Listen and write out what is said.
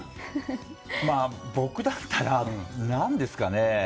僕だったら何ですかね。